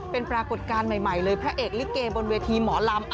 เป็นปรากฏการณ์ใหม่เลยพระเอกลิเกบนเวทีหมอลำ